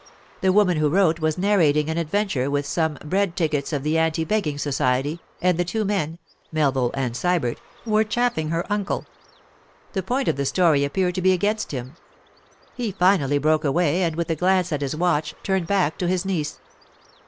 The woman who wrote was narrating an adventure with some 'bread tickets' of the anti begging society, and the two men—Melville and Sybert—were chaffing her uncle. The point of the story appeared to be against him. He finally broke away, and with a glance at his watch turned back to his niece.